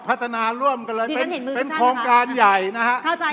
พัฒนาร่วมกันเลยเป็นโครงการใหญ่นะครับ